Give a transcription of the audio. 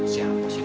siapa sih bu